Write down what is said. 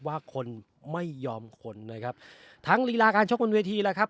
ว่าคนไม่ยอมคนนะครับทั้งลีลาการชกบนเวทีแล้วครับ